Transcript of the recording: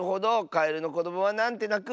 「カエルのこどもはなんてなく？」